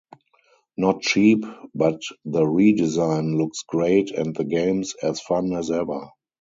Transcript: Not cheap, but the redesign looks great and the game's as fun as ever.